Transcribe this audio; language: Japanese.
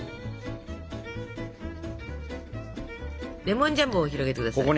レモンジャムを広げて下さい。